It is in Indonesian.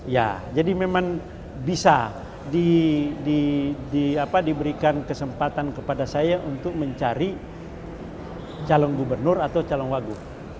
ya jadi memang bisa diberikan kesempatan kepada saya untuk mencari calon gubernur atau calon wagu